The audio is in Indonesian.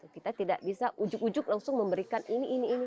kita tidak bisa ujug ujug memberikan ini ini ini